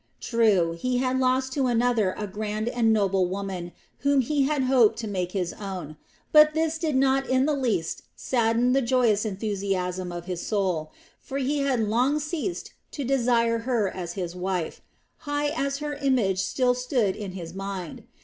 True, he had lost to another a grand and noble woman whom he had hoped to make his own; but this did not in the least sadden the joyous enthusiasm of his soul; for he had long ceased to desire her as his wife, high as her image still stood in his mind.